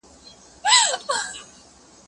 زه اوس قلم استعمالوموم